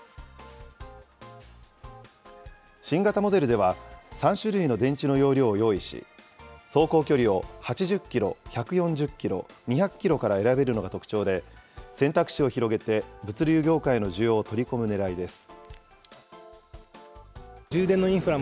新型モデルでは、３種類の電池の容量を用意し、走行距離を８０キロ、１４０キロ、２００キロから選べるのが特徴で、選択肢を広げて物流業界の需要を取り込むねらいです。